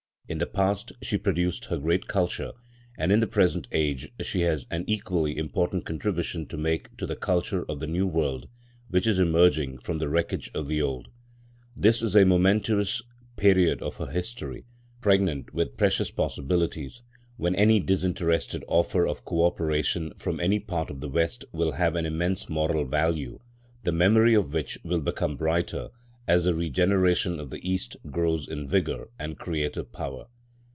In the past she produced her great culture, and in the present age she has an equally important contribution to make to the culture of the New World which is emerging from the wreckage of the Old. This is a momentous period of her history, pregnant with precious possibilities, when any disinterested offer of co operation from any part of the West will have an immense moral value, the memory of which will become brighter as the regeneration of the East grows in vigour and creative power.